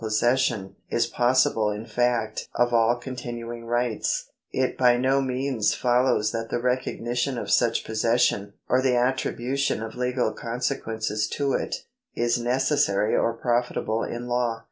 § 106] POSSESSION 267 is possible in fact of all continuing rights, it by no means follows that the recognition of such possession, or the attribu tion of legal consequences to it, is necessary or profitable in law.